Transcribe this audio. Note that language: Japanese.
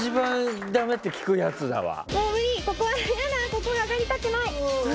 ここ上がりたくない！